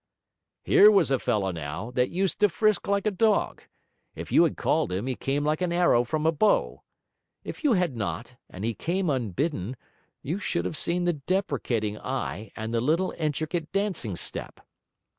Here was a fellow, now, that used to frisk like a dog; if you had called him he came like an arrow from a bow; if you had not, and he came unbidden, you should have seen the deprecating eye and the little intricate dancing step.